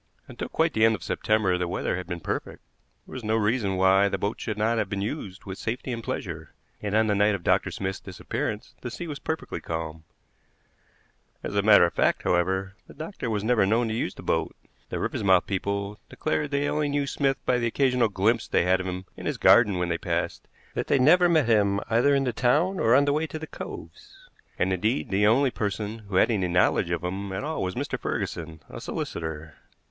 Until quite the end of September the weather had been perfect; there was no reason why the boat should not have been used with safety and pleasure, and on the night of Dr. Smith's disappearance the sea was perfectly calm. As a matter of fact, however, the doctor was never known to use the boat. The Riversmouth people declared that they only knew Smith by the occasional glimpse they had of him in his garden when they passed; that they never met him either in the town or on the way to the coves; and, indeed, the only person who had any knowledge of him at all was Mr. Ferguson, a solicitor.